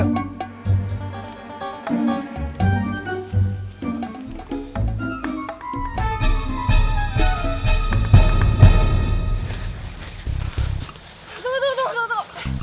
tunggu tunggu tunggu